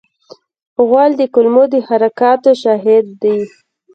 غول د کولمو د حرکاتو شاهد دی.